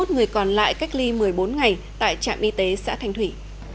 hai mươi một người còn lại cách ly một mươi bốn ngày tại trạm y tế xã thành thủy